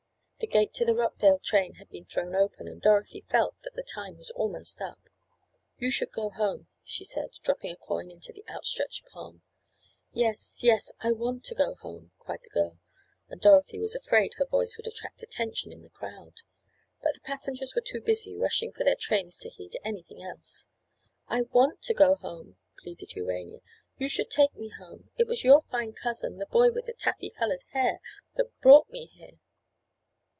The gate to the Rockdale train had been thrown open, and Dorothy felt that the time was almost up. "You should go home," she said, dropping a coin into the outstretched palm. "Yes, yes, I want to go home," cried the girl, and Dorothy was afraid her voice would attract attention in the crowd. But the passengers were too busy rushing for their trains to heed anything else. "I want to go home," pleaded Urania. "You should take me home,—it was your fine cousin—the boy with the taffy colored hair—that brought me here!"